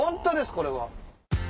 これは。